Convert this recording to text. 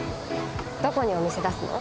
どこにお店出すの？